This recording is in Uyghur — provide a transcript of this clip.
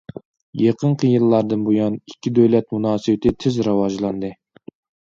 يېقىنقى يىللاردىن بۇيان، ئىككى دۆلەت مۇناسىۋىتى تېز راۋاجلاندى.